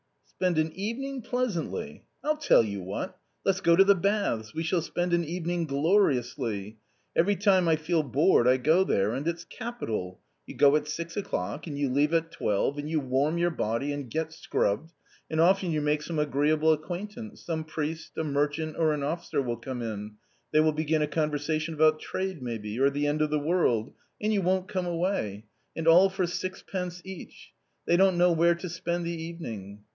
" Spend an evening pleasantly ! I'll tell you what ! let's go to the baths, we shall spend an evening gloriously ! Every time I feel bored I go there — and it's capital ; you go at six o'clock and you leave at twelve and you warm your body and get scrubbed, and often you make some agreeable acquaintance ; some priest, a merchant or an officer will come in ; they will begin a conversation about trade, maybe, or the end of the world — and you won't come away ! and all A COMMON STORY 223 for sixpence each ! They don't know where to spend the evening